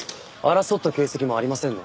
争った形跡もありませんね。